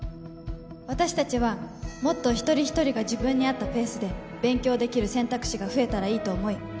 私達はもっと一人一人が自分に合ったペースで勉強できる選択肢が増えたらいいと思い